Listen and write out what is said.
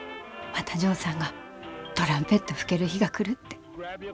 またジョーさんがトランペット吹ける日が来るって。